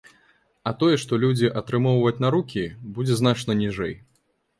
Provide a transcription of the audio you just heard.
А тое, што людзі атрымоўваць на рукі, будзе значна ніжэй.